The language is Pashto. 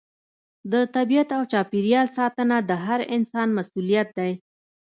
د طبیعت او چاپیریال ساتنه د هر انسان مسؤلیت دی.